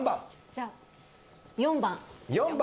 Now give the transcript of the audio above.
じゃあ４番。